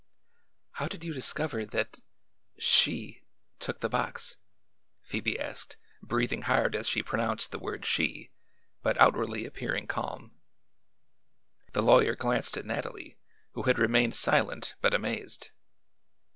"How did you discover that she took the box?" Phoebe asked, breathing hard as she pronounced the word "she" but outwardly appearing calm. The lawyer glanced at Nathalie, who had remained silent but amazed.